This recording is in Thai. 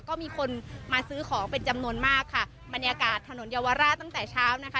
ก็มีคนมาซื้อของเป็นจำนวนมากค่ะบรรยากาศถนนเยาวราชตั้งแต่เช้านะคะ